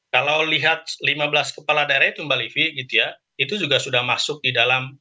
kalau lihat lima belas kepala daerah itu mbak livi gitu ya itu juga sudah masuk di dalam